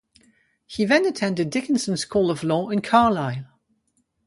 He then attended Dickinson School of Law in Carlisle.